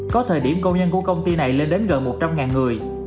có thời điểm công nhân của công ty này lên đến gần một trăm linh người